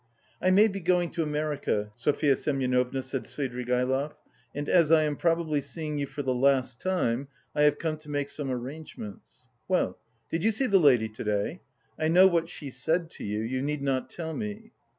"I may be going to America, Sofya Semyonovna," said Svidrigaïlov, "and as I am probably seeing you for the last time, I have come to make some arrangements. Well, did you see the lady to day? I know what she said to you, you need not tell me."